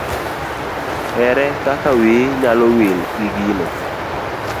Here kaka wiyi nyalo wil gi gino.